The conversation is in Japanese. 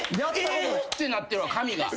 えっ！？」ってなってるわ髪が。